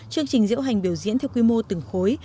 chương trình diễu hành biểu diễn theo quy mô từng khối